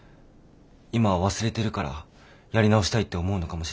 今は忘れてるからやり直したいって思うのかもしれない。